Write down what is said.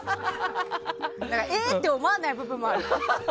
えーって思わない部分もある。